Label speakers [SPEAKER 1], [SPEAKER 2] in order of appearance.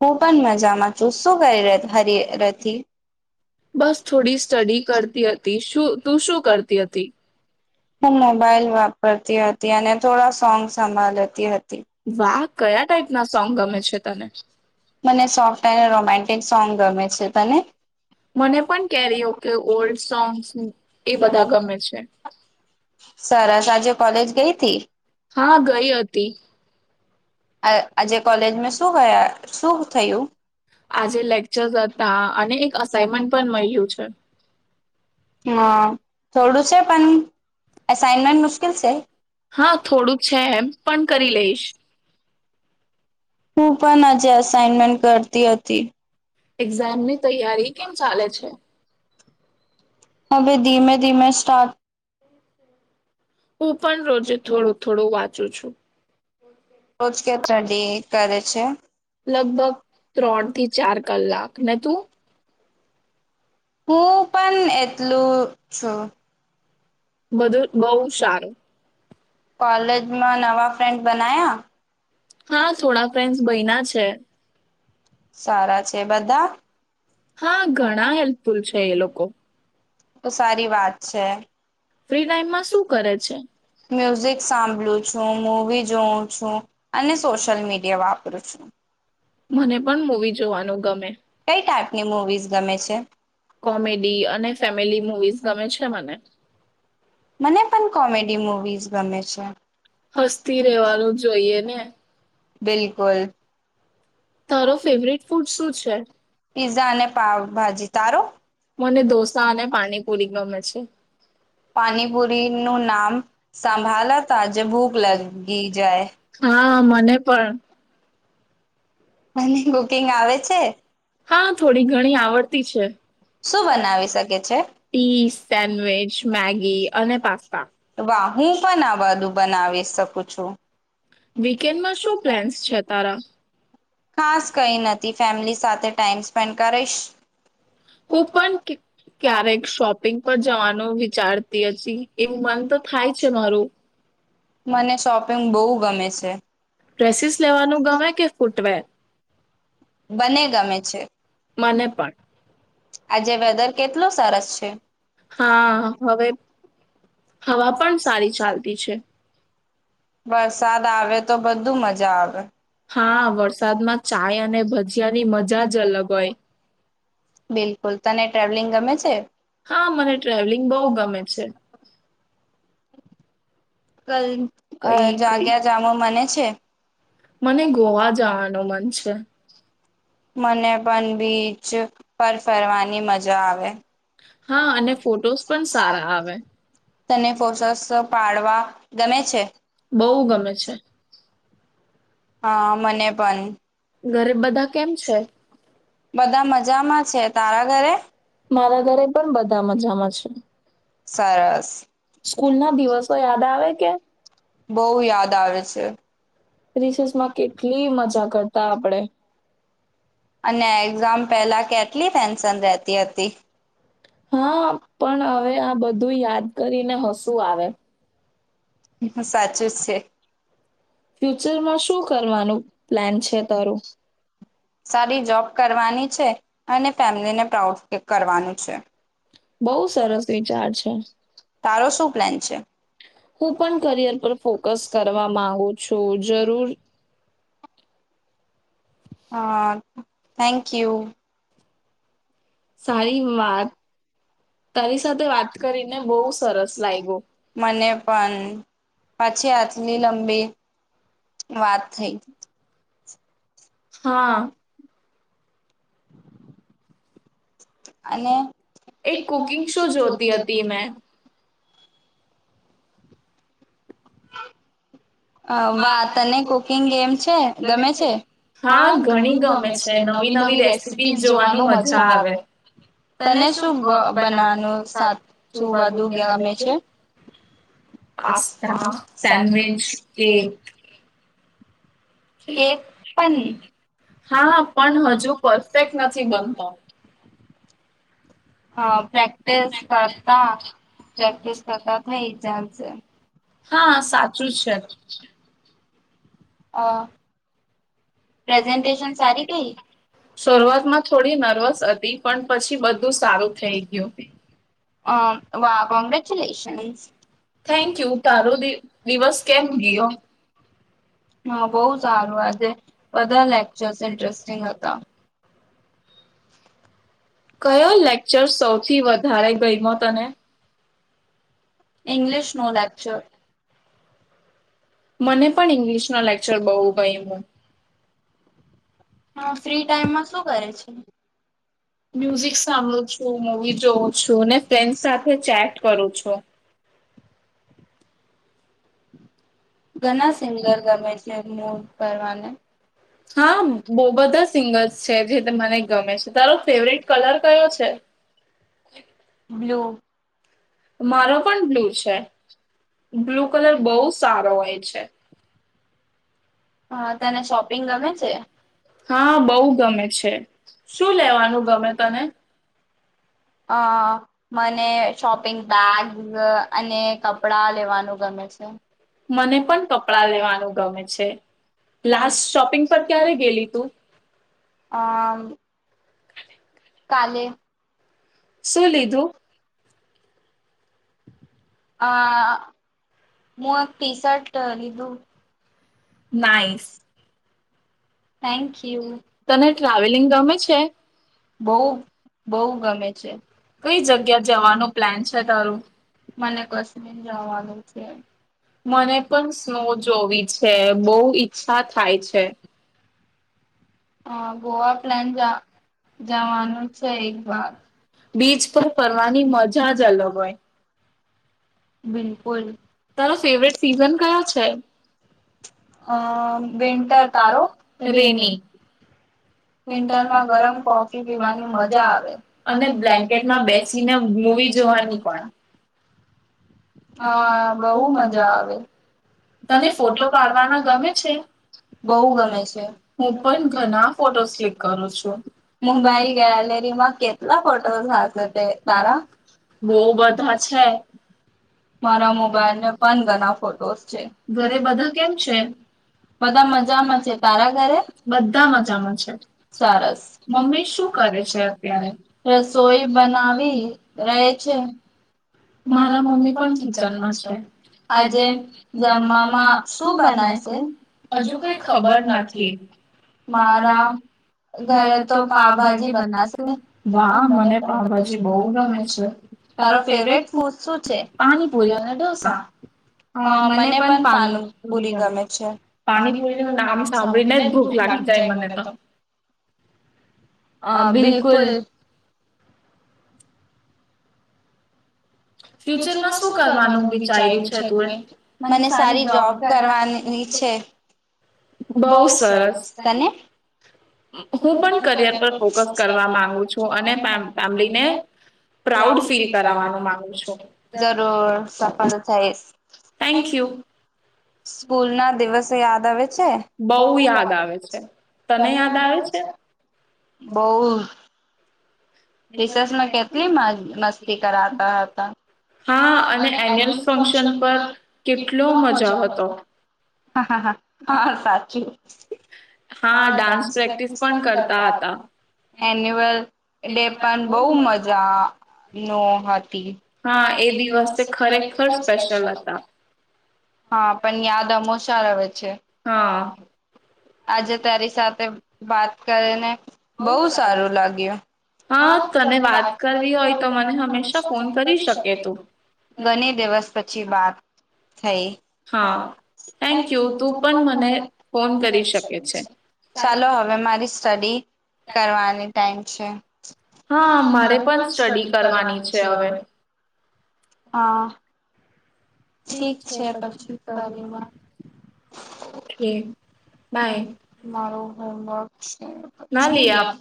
[SPEAKER 1] હું પણ મજામાં છું,
[SPEAKER 2] બસ થોડી સ્ટડી કરતી હતી તું શું કરતી હતી.
[SPEAKER 1] હ મોબાઈલ વાપરતી હતી અને થોડા સોંગ. [unintelligible] હતી. [inaudible] સોંગ [unintelligible] [inaudible] સરસ આજે કોલેજ ગઈ [inaudible]
[SPEAKER 2] હા ગઈ હતી
[SPEAKER 1] આ આજે કોલેજમાં શું ગયા શું થયું
[SPEAKER 2] આજે લેક્ચરસ હતા અને એક અસાઇનમેન્ટ પણ મળ્યું છે.
[SPEAKER 1] હા થોડું છે પણ એસઈમેન્ટ મુશ્કેલ છે હું પણ આજે અસાઈનમેન્ટ કરતી હતી.
[SPEAKER 2] એક્ઝામની તૈયારી કેમ ચાલે છે?
[SPEAKER 1] હવે ધીમે ધીમે સ્ટાર્ટ
[SPEAKER 2] હું પણ રોજે થોડું થોડું વા ચું છું.
[SPEAKER 1] રોજ [unintelligible] કરે છે
[SPEAKER 2] લગભગ ત્રણ થી ચાર કલાક. ને તું?
[SPEAKER 1] હું પણ એ એટલુ છ
[SPEAKER 2] બધું બવ સારું
[SPEAKER 1] કોલેજમાં નવા ફ્રેન્ડ બનાયા
[SPEAKER 2] હા થોડા ફ્રેન્ડસ બયના છે.
[SPEAKER 1] સારા છે. બધા તો સારી વાત છે મ્યુઝિક સાંભળું છું મુવી જોઉં છું. અને સોશિયલ મીડિયા વાપ રું છુ. કઈ ટાઈપની મુવીઝ ગમે છે.
[SPEAKER 2] કોમેડી અને
[SPEAKER 1] મને પણ કોમેડી મુવીઝ ગમે છે. બિલકુલ. પીઝા અને પાઉંભાજી તારો
[SPEAKER 2] મને પાણી પૂરી ગમે છે
[SPEAKER 1] પાણીપુરી નું નામ સંભાળતાજ ભૂખ લગી જાય મ કુકિંગ આવે છે શું બનાવી શકે છે વાહ હું પણ આ બધું બનાવી શકું પૂછો
[SPEAKER 2] વીકેન્ડમાં શું પ્લેન્સ છે તારા
[SPEAKER 1] ખાસ કઈ નથી ફેમિલી ની સાથે ટાઈમ્સ કરીશ હું પણ ક્યારે શોપિંગ જવાનું વિચાર એ મન તો થાય છે મારું મને શોપિંગ બહુ ગમે છે બને ગમે છે આજે વેધર કેટલો સરસ છે
[SPEAKER 2] હવા પણ સારી ચાલતી છે
[SPEAKER 1] વરસાદ આવે તો બધુ મજા આવે બિલકુલ તને ટ્રાવલિંગ ગમે છે
[SPEAKER 2] હા મને ટ્રાવેલિંગ બહુ ગમે છે
[SPEAKER 1] કલ અ જાગ્યા જામ મને છે
[SPEAKER 2] મને ગોવા જવાનું મન છે
[SPEAKER 1] મને પણ બીચ પર ફરવાની મજા આવે હા અને ફોટોસ પર સારા આવે છે તને [unintelligible] પાડવા
[SPEAKER 2] બહુ ગમે છે
[SPEAKER 1] હા મને પણ બધા મજામાં છે તારા ઘરે
[SPEAKER 2] મારા ઘરે પણ બધા મજામાં છે
[SPEAKER 1] સરસ
[SPEAKER 2] સ્કૂલ ના દિવસો યાદ આવે કે
[SPEAKER 1] બઉ યાદ આવે છે.
[SPEAKER 2] રિસેસ માં કેટલી મજા કરતા આપડે.
[SPEAKER 1] અને એક્ઝામ પહેલા કેટલી ફેન્શન રહેતી હતી.
[SPEAKER 2] હા પણ હવે આ બધું યાદ કરીને હસું આવે.
[SPEAKER 1] સાચું જ છે. [unintelligible] માં શું કરવા સારી જોબ કરવાની. છે અને ફેમિલીને પ્રાઉડ ફીલ કરવાનું છે. બઉ સરસ વિચાર છે તારો શું પ્લાન છે?
[SPEAKER 2] હું પણ કરિયર પર ફોકસ કરવા માગુ છું જરૂર.
[SPEAKER 1] હા થેન્ક યુ. સારી વાત તારી સાથે વાત કરીને બઉ સરસ લાગ મને પણ. પાછી આટલી લંબી વાત થઈ. હા. અને
[SPEAKER 2] એક કુકિંગ શો જોતી હતી મેં.
[SPEAKER 1] [inaudible] અ વા તને કુકિંગ એમ છે ગમે છે હા ઘણી ગમે છે નવી નવી રેસીપીસ જોવાનો મજા આવે તને શું બ બનાવાનું સાચું બધું ગમે છે પાસ્તા, સેન્ડવીચ
[SPEAKER 2] કેક. કેક પણ હા પણ હજુ પરફેક્ટ નથી બનતો. હ પ્રેક્ટિસ કરતા પ્રેક્ટિસ કર થઈ જાજે હા સાચું છે. અ પ્રેઝન્ટેશન સારી રહી શરૂઆતમાં થોડી નર્વસ હતી પણ પછી બધું સારું થઈ ગયું અ આ કોમ્પ્લેટ કયરુ છે થેન્કયુ તારો દિવસ કેમ ગીયો.
[SPEAKER 1] બધા લેક્ચર્સ ઇન્ટરેસ્ટિંગ હતા
[SPEAKER 2] કયો લેક્ચર સૌથી વધારે ગયમો તને. ઇંગ્લિશ નો લેક્ચર.
[SPEAKER 1] મને પણ ઇંગ્લિશ ના લેક્ચર બુ ભયમ હા ફ્રી ટાઈમમાં શું કરે છે મ્યુઝિક સાંભળું છુંવી જોઉ છું ફન્ સાથે ચેટ કરું છ ઘણા સિંગર ગમે છે મડ કરવાને હા બહ બધા સિંગર્સ છે જેને ગમે છે તારો ફેવરેટ કલર કયો છે બ્લુ
[SPEAKER 2] મારો પણ બ્લૂ છે બ્લૂ કલર બહુ સારો હોય છે
[SPEAKER 1] હ તને શોપિંગ ગમે છે હા બહ ગમે છે શું લેવાનું ગમે તને હ મને શોપિંગ બેગ્સ અને કપડા લેવાનું ગમે છે
[SPEAKER 2] મને પણ કપડાં લેવાનું ગમે છે લાસ શોપિંગ પર ક્યારે ગેલી તું
[SPEAKER 1] હમ
[SPEAKER 2] શું લીધું
[SPEAKER 1] આ મોવાત ટી શર્ટ લીધું નઇસ થેન્ક યુ તને ટ્રાવેલિંગ ગમે છે બહ બહુ ગમે છે કઈ જગ્યા જવાનું પ્લાન છે તારું મને કશ જવાનું છે મને પણ સ્ન જોવી છે બહુ ઈચ્છા થાય છે
[SPEAKER 2] હ ગોવાક જવાનું છે એક વાર બીચ પર ફરવાની મજા જ અલગ હોય
[SPEAKER 1] બિલકુલ તારો ફેવરેટ સિઝન કયો છે અ વિન્ટર તારો રેની વિન્ટરમાં ગરમ કોફી પીવાની મજા આવે અને બ્લેન્કેટમાં બેસીને મૂવી જોવાની પણ હા બહુ મજા આવે
[SPEAKER 2] તને ફોટો પાડવાના ગમે છે બહ ગમે છે હું પણ ઘણા ફોટોસ ક્લિક કરું છું મુંબઈ ગયા છેમાં કેટલા ફોટો હશે તે તારા બહ બધા છે
[SPEAKER 1] મારા મોબાઈલમાં પણ ઘણા ફોટોસ છે ઘરે બધા કેમ છે બધા મજામાં છે તારા ઘરે બધા મજામાં છે સરસ મમ્મી શું કરે છે અત્યારે રસોઈ બનાવી રહે છે
[SPEAKER 2] મારા મમ્મી પણ કિચનમાં છે આજે જમવામાં શું બનાય છે હજુ કઈ ખબર નથી મારા ઘરે તો પાઉભાજી બનાશે વાહ મને પાઉભાજી બહ ગમે છે તારો ફવટ
[SPEAKER 1] શું છે પાણીપુરી અને ઢોસા અ મને પણ પાનપુરી ગમે છે પાણીપુરી ન નામ સાંભળીને જ ભૂખ લાગી જાય મને તો અ બિલકુલ ફ્યુચરમાં શું કરવાનું વિચાર્યું છે તું એ મને સારી જોબ કરવાની છે બઉ સરસ તને હું પણ કરયર પર ફોકસ કર આવી છું અને આવીને પ્રઉડ ફીલ કર જરૂર સફઈ થેન્ક યુ સ્કૂલ ના દિવસે યાદવે બહ યાદ આવે છે તને યાદ આવે છે બહ રિસસમાં કેટલી મસ્તી કરાતા હતા હા અને એન્યુઅલ ફંક્શન પર કેટલો મજા હતો હા હા હા હા સાચું હા ડાન્સ પ્રેક્ટિસ પણ કરતા હતા એન્યુઅલ ડે બહુ મજા ન હતી, હા એ દિવસ ખરેખર સ્પેશ્યલ હતો. હા પણ યાદ અમોસાર આવે છે. આજે તારી સાથે વાત કરીને. બહું સારું લાગ્યું હા તને વાત કરવી હોય તો મને હંમેશા ફોન કરી શકે ઘણી દિવસ પછી બાત. હે હા થેન્કયુ તું પણ મને ફોન ચાલો હવે મારી સ સાડી કરવાની ટાઈમ અચ્છા
[SPEAKER 2] હા મારે પણ સ્ટડી કરવાની છે હવે.
[SPEAKER 1] હા ઠીક છે પછી સારી વાત ઓકે ફાઇન મારો હોંમવર્ક [unintelligible] લિયા.